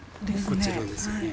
こちらですよね。